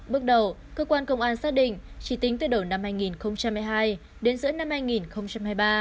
bước đầu cơ quan công an xác định chỉ tính từ đầu năm hai nghìn hai mươi hai đến giữa năm hai nghìn hai mươi ba